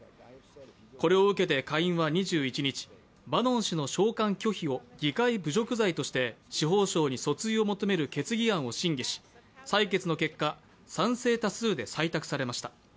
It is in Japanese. これを受けて下院は２１日、バノン氏の召喚拒否を議会侮辱罪として司法省に訴追を求める決議案を審議し採決の結果、賛成多数で採択されました。